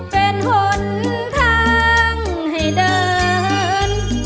เป็นหนทางให้เดิน